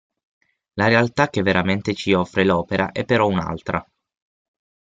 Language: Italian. La realtà che veramente ci offre l'opera è però un'altra.